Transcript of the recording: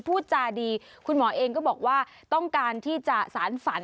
พูดจาดีคุณหมอเองก็บอกว่าต้องการที่จะสารฝัน